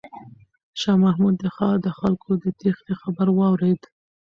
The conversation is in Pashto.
شاه محمود د ښار د خلکو د تیښتې خبر واورېد.